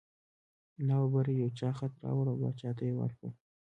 نا ببره یو چا خط راوړ او باچا ته یې ورکړ.